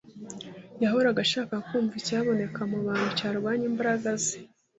Yahoraga ashaka kumva icyaboneka mu bantu cyarwanya imbaraga ze.